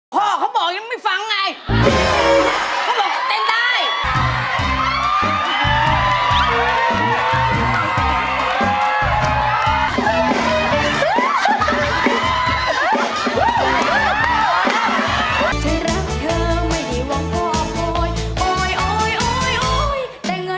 พ่อเค้าบอกยังไม่ฟังไงเค้าบอกเค้าเต้นได้